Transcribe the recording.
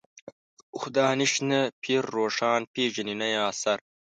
خو دانش نه پير روښان پېژني نه يې عصر.